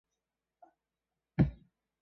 包括任命和解任内政管和外交官的选项。